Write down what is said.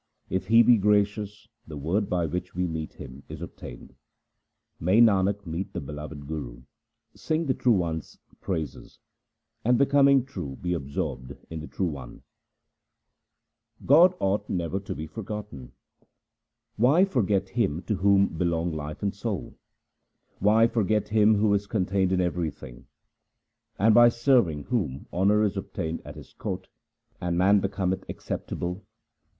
If He be gracious, the Word by which we meet Him is obtained. May Nanak meet the beloved Guru, sing the True One's praises, And becoming true be absorbed in the True One ! God ought never to be forgotten :— Why forget Him to whom belong life and soul ? Why forget Him who is contained in everything, And by serving whom honour is obtained at His court and man becometh acceptable